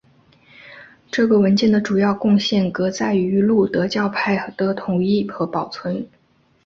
这个文件的主要贡献革在于路德教派的统一和保存。